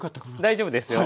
大丈夫ですよ。